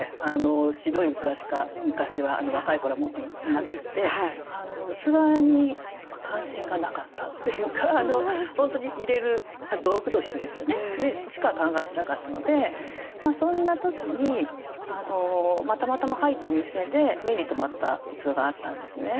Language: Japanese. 白い器しか昔は若い頃は持っていなくて器に関心がなかったというか本当に入れる道具としてですよねでしか考えてなかったのでそんな時にたまたま入ったお店で目に留まった器があったんですね。